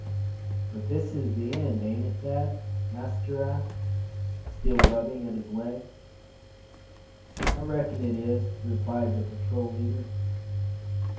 "But this is the end, ain't it, Thad?" asked Giraffe, still rubbing at his leg. "I reckon it is," replied the patrol leader.